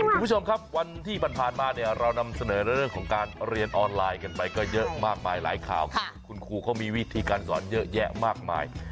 คุณผู้ชมครับวันที่ผ่านมาเนี่ยเรานำเสนอในเรื่องของการเรียนออนไลน์กันไปก็เยอะมากมายหลายข่าวคือคุณครูเขามีวิธีการสอนเยอะแยะมากมาย